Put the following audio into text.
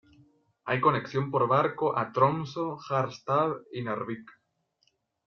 Hay conexión por barco a Tromsø, Harstad y Narvik.